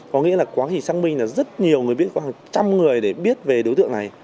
có nghĩa là quá khỉ sang minh là rất nhiều người biết khoảng trăm người để biết về đối tượng này